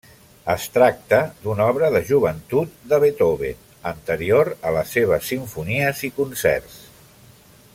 Es tracta d'una obra de joventut de Beethoven, anterior a les seves simfonies i concerts.